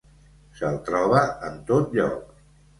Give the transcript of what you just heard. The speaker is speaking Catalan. Se'l troba en tot lloc.